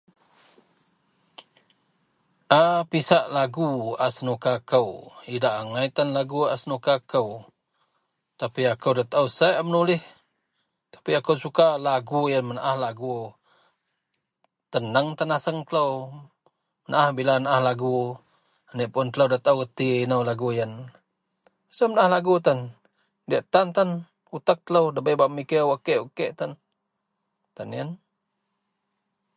A pisak lagu a senuka kou. Idak angai tan lagu a senuka kou tapi akou nda taou sai a menulih tapi akou suka lagu yen menaah lagu. Teneng tan naseng telou menaah bila menaah lagu anekpun telou nda taou reti inou lagu yen. Asel menaah lagu tan diyak tan-tan utek telou ndabei bak memikir wak kek wak kek tan. Tan yen.